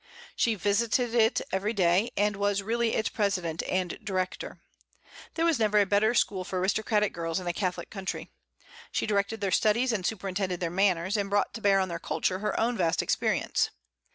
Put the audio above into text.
She visited it every day, and was really its president and director. There was never a better school for aristocratic girls in a Catholic country. She directed their studies and superintended their manners, and brought to bear on their culture her own vast experience.